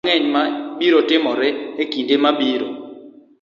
Nitie gik mang'eny ma biro timore e kinde mabiro.